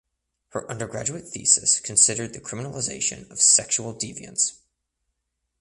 Her undergraduate thesis considered the criminalisation of sexual deviance.